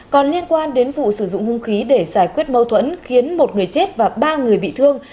còn liên quan đến vụ sử dụng hung khí để giải quyết mâu thuẫn khiến một người chết và ba người bị thương